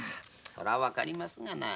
そら分かりますがな。